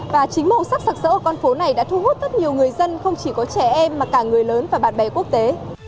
và chính màu sắc sạc sỡ ở con phố này đã thu hút rất nhiều người dân không chỉ có trẻ em mà cả người lớn và bạn bè quốc tế